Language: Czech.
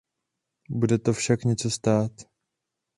Bude to však něco stát.